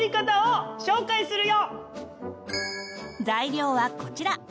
材料はこちら。